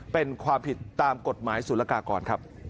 ๓เป็นความผิดตามกฎหมายศุลกากร